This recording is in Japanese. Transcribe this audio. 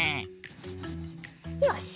よし！